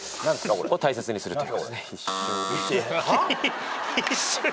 これ。を大切にするという。